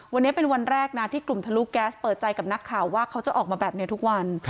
วันนี้เป็นวันแรกนะที่กลุ่มทะลุแก๊สเปิดใจกับนักข่าวว่าเขาจะออกมาแบบนี้ทุกวัน